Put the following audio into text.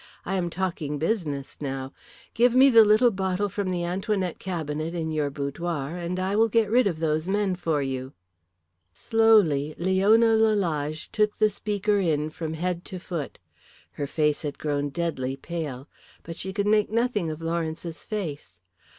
I am talking business now. Give me the little bottle from the Antoinette cabinet in your boudoir, and I will get rid of those men for you." Slowly Leona Lalage took the speaker in from head to foot. Her face had grown deadly pale. But she could make nothing of Lawrence's face.